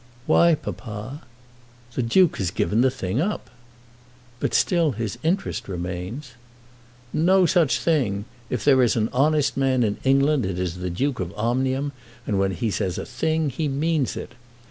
"Why, papa?" "The Duke has given the thing up." "But still his interest remains." "No such thing! If there is an honest man in England it is the Duke of Omnium, and when he says a thing he means it.